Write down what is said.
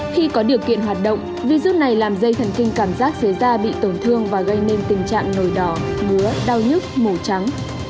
khi có điều kiện hoạt động virus này làm dây thần kinh cảm giác dưới da bị tổn thương và gây nên tình trạng nổi đỏ búa đau nhức màu trắng